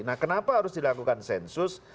nah kenapa harus dilakukan sensus